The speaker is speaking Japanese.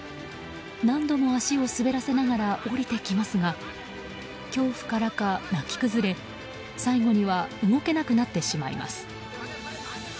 何度も足を滑らせながら下りてきますが恐怖からか泣き崩れ、最後には動けなくなってしまいます。